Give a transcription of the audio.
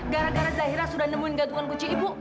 gara gara zaira sudah nemuin gantungan kunci ibu